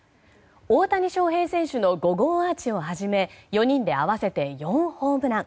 大谷翔平選手の５号アーチをはじめ４人で合わせて４ホームラン。